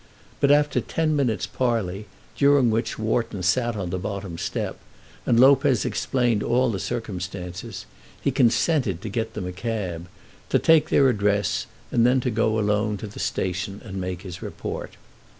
But after ten minutes' parley, during which Wharton sat on the bottom step and Lopez explained all the circumstances, he consented to get them a cab, to take their address, and then to go alone to the station and make his report.